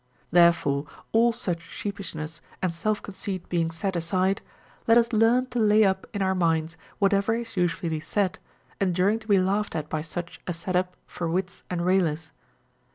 18. Therefore all such sheepishness and self conceit being set aside, let us learn to lay up in our minds what ever is usefully said, enduring to be laughed at by such as set up for wits and railers.